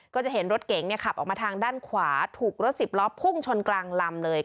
ก็จะเห็นรถเก๋งขับออกมาทางด้านขวาถูกรถสิบล้อพุ่งชนกลางลำเลย